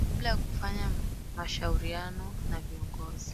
kabla ya kufanya mashauriano na viongozi